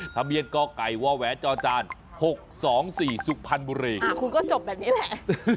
ถามเยี่ยมก็ไกลว่าแหวะจอดจาน๖๒๔สุขพันธุ์บุรีคุณก็จบแบบนี้แหละ